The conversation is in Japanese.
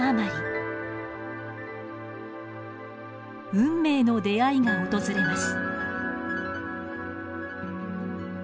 運命の出会いが訪れます。